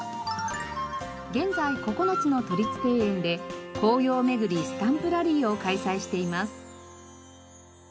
現在９つの都立庭園で「紅葉めぐりスタンプラリー」を開催しています。